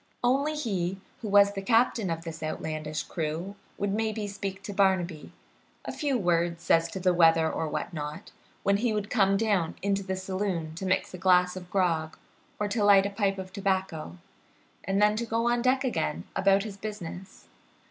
Only he who was the captain of this outlandish crew would maybe speak to Barnaby a few words as to the weather or what not when he would come down into the saloon to mix a glass of grog or to light a pipe of tobacco, and then to go on deck again about his business.